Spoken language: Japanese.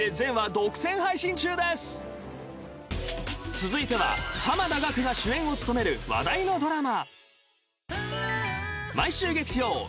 続いては濱田岳が主演を務める話題のドラマ。